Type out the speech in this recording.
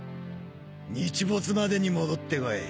日没までに戻ってこい。